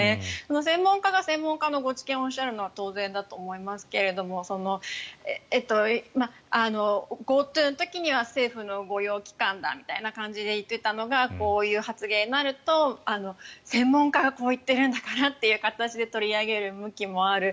専門家が専門家のご知見をおっしゃるのは当然だと思いますけれどもＧｏＴｏの時には政府の御用機関だみたいな感じに言っていたのがこういう発言になると専門家がこう言っているんだからという形で取り上げる向きもある。